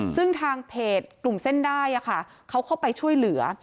ซึ่งทางเพจกลุ่มเส้นได้เขาเข้าไปช่วยเหลือ